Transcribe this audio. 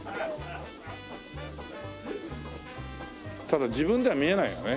ただ自分では見えないよね。